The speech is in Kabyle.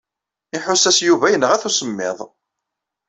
Iḥuss-as Yuba yenɣa-t usemmiḍ.